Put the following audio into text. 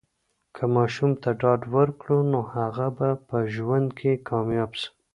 که ماشوم ته ډاډ ورکړو، نو هغه به په ژوند کې کامیاب سي.